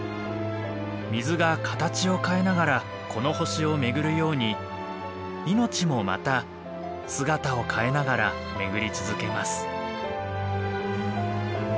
水が形を変えながらこの星を巡るように命もまた姿を変えながら巡り続けます。